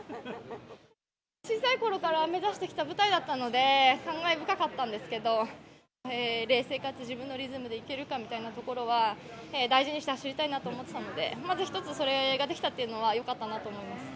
小さいころから目指してきた舞台だったので、感慨深かったんですけど、冷静かつ自分のリズムでいけるかみたいなところは、大事にして走りたいなと思っていたので、まず一つそれができたっていうのは、よかったなと思います。